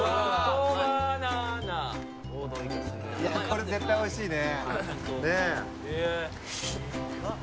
これ絶対おいしいね。